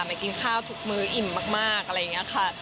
ไปกินข้าวทุกมื้ออิ่มมากอะไรอย่างนี้ค่ะ